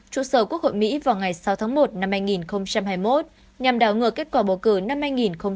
trụ sở quốc hội mỹ vào ngày sáu tháng một năm hai nghìn hai mươi một nhằm đảo ngược kết quả bầu cử năm hai nghìn hai mươi